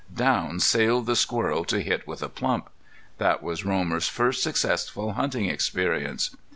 Down sailed the squirrel to hit with a plump. That was Romer's first successful hunting experience.